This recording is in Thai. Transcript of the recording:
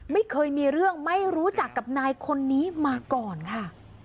ไม่เคยมีเรื่องไม่รู้จักกับนายคนนี้มาก่อนค่ะ